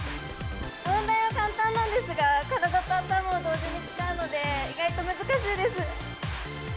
問題は簡単なんですが、体と頭を同時に使うので、意外と難しいです。